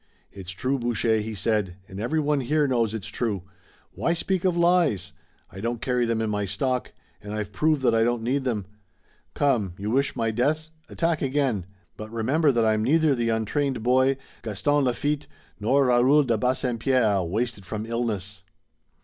"It's true, Boucher," he said, "and everyone here knows it's true. Why speak of lies? I don't carry them in my stock, and I've proved that I don't need them. Come, you wish my death, attack again, but remember that I'm neither the untrained boy, Gaston Lafitte, nor Raoul de Bassempierre, wasted from illness."